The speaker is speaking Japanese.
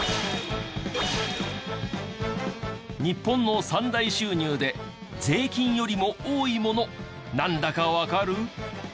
日本の３大収入で税金よりも多いものなんだかわかる？